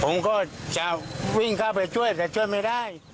ผมก็จะวิ่งเข้าไปช่วยแต่ช่วยไม่ได้